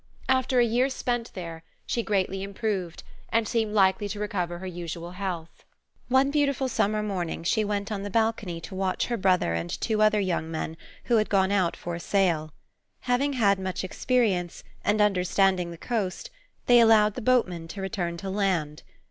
After a year spent here, she greatly improved, and seemed likely to recover her usual health. One beautiful summer morning she went on the balcony to watch her brother and two other young men who had gone out for a sail. Having had much experience, and understanding the coast, they allowed the boatman to return to land.